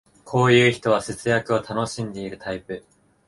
こういう人は節約を楽しんでるタイプ